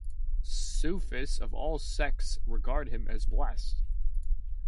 Sufis of all sects regard him as blessed.